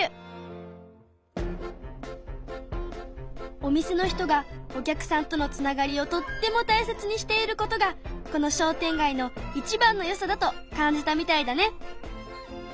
お店の人がお客さんとのつながりをとってもたいせつにしていることがこの商店街のいちばんのよさだと感じたみたいだね。